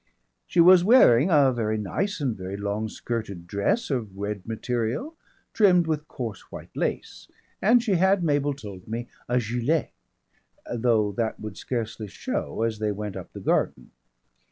She was wearing a very nice and very long skirted dress of red material trimmed with coarse white lace, and she had, Mabel told me, a gilet, though that would scarcely show as they went up the garden.